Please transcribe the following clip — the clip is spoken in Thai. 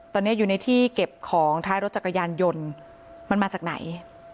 ตอนนี้อยู่ในที่เก็บของท้ายรถจักรยานยนต์มันมาจากไหน